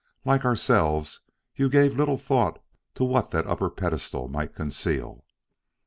Like ourselves, you gave little thought to what that upper pedestal might conceal."